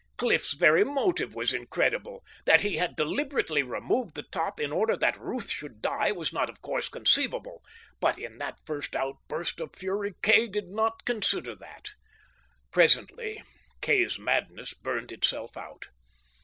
Cliff's very motive was incredible. That he had deliberately removed the top in order that Ruth should die was not, of course, conceivable. But in that first outburst of fury Kay did not consider that. Presently Kay's madness burned itself out.